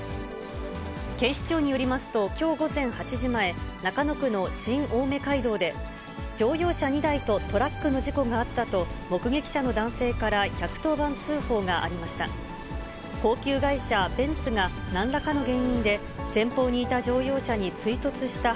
警視庁によりますと、きょう午前８時前、中野区の新青梅街道で、乗用車２台とトラックの事故があったと、目撃者の男性から１１０番通報がありました。